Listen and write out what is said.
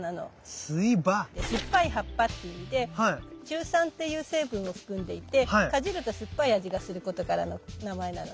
酸っぱい葉っぱっていう意味でシュウ酸っていう成分を含んでいてかじると酸っぱい味がすることからの名前なのね。